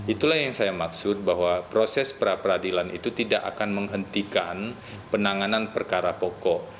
itulah yang saya maksud bahwa proses pra peradilan itu tidak akan menghentikan penanganan perkara pokok